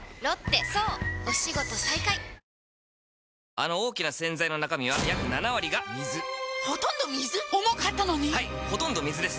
あの大きな洗剤の中身は約７割が水ほとんど水⁉重かったのに⁉はいほとんど水です